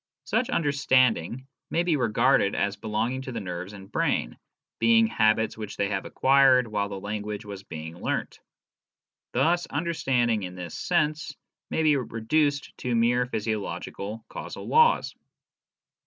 Such " understanding " may be regarded as belonging to the nerves and brain, being habits which they have acquired while the language was being learnt. Thus understanding in this sense may be reduced to mere physio logical causal laws.